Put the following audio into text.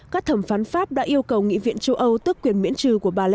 các thẩm phán pháp đã yêu cầu nghị viện châu âu tước quyền miễn trừ